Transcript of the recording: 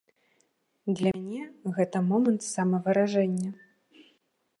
Для мяне гэта момант самавыражэння.